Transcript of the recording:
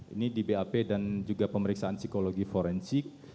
ini di bap dan juga pemeriksaan psikologi forensik